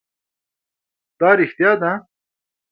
دا رښتیا ده